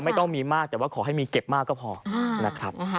ไม่ต้องมีมากแต่ว่าขอให้มีเก็บมากก็พอนะครับ